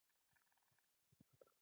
د ریګ دښتې د افغانستان د سیلګرۍ برخه ده.